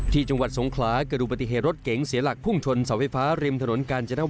จังหวัดสงขลาเกิดดูปฏิเหตุรถเก๋งเสียหลักพุ่งชนเสาไฟฟ้าริมถนนกาญจน